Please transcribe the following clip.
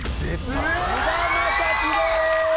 菅田将暉です！